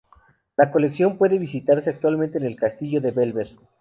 La colección puede visitarse actualmente en el Castillo de Bellver.